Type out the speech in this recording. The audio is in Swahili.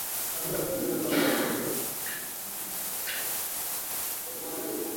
Uambukizaji wake hutokea baada ya kula majani ambayo yameambukizwa kiluiluicha minyoo